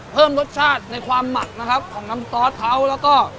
เพิ่มรสชาติในความหมักนะครับของน้ำซอสเขาแล้วก็